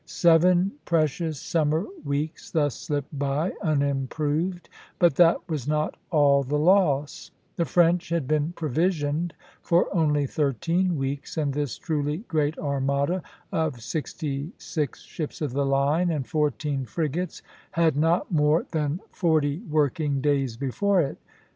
Seven precious summer weeks thus slipped by unimproved, but that was not all the loss; the French had been provisioned for only thirteen weeks, and this truly great armada of sixty six ships of the line and fourteen frigates had not more than forty working days before it.